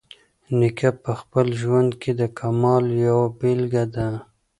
نیکه په خپل ژوند کې د کمال یوه بیلګه ده.